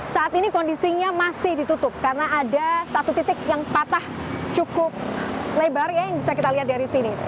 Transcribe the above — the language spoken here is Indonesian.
saat ini kondisinya masih ditutup karena ada satu titik yang patah cukup lebar ya yang bisa kita lihat dari sini